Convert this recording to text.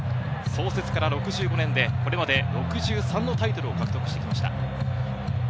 創設から６５年でこれまで６３のタイトルを獲得してきました。